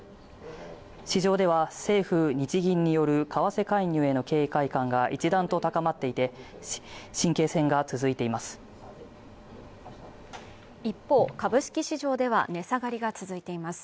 市場では政府・日銀による為替介入への警戒感が一段と高まっていて神経戦が続いています一方株式市場では値下がりが続いています